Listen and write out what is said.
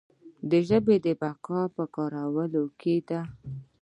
د ژبې بقا په کارولو کې ده.